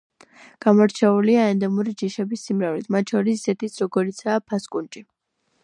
გამორჩეულია ენდემური ჯიშების სიმრავლით, მათ შორის ისეთის როგორიცაა ფასკუნჯი.